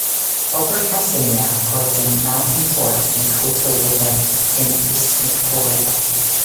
Ochre cassinia grows in mountain forest and coastal woodland in eastern Victoria.